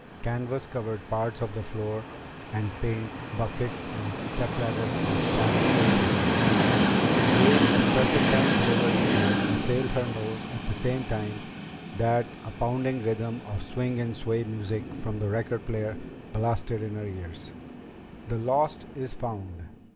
Canvas covered parts of the floor, and paint buckets and stepladders were stacked in corners. A wave of turpentine flavored air assailed her nose at the same time that a pounding rhythm of swing and sway music from the record player blasted in her ears. "The lost is found!"